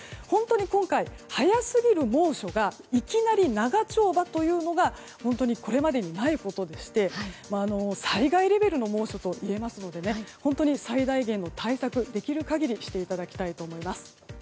今回、早すぎる猛暑がいきなり長丁場というのが本当にこれまでにないことでして災害レベルの猛暑といえますので最大限の対策をできる限りしていただきたいと思います。